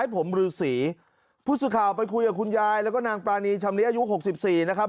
พุธสุข่าวไปคุยกับคุณยายแล้วก็นางปรานีชำนีอายุ๖๔นะครับ